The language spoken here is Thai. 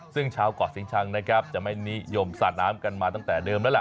ซึ่งชาวเกาะสิงชังนะครับจะไม่นิยมสาดน้ำกันมาตั้งแต่เดิมแล้วล่ะ